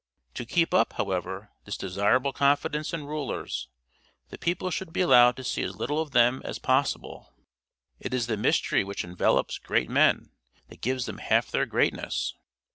To keep up, however, this desirable confidence in rulers, the people should be allowed to see as little of them as possible. It is the mystery which envelopes great men that gives them half their greatness.